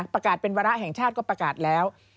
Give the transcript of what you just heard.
ประกาศเป็นวาระแห่งชาติก็ประกาศแล้ว